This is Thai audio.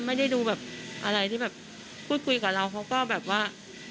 ไม่ได้ดูอะไรที่พูดคุยกับเรา